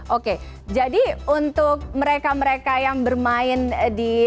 oke jadi untuk mereka mereka yang bermain di